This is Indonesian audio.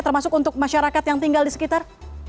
termasuk untuk masyarakat yang tinggal di sekitar